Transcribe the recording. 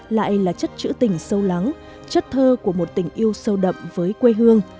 lại là chất chữ tình sâu lắng chất thơ của một tình yêu sâu đậm với quê hương